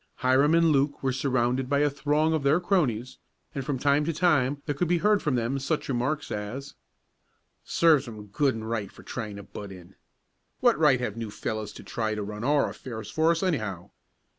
Hiram and Luke were surrounded by a throng of their cronies, and from time to time there could be heard from them such remarks as: "Serves 'em good and right for trying to butt in." "What right have new fellows to try to run our affairs for us, anyhow?"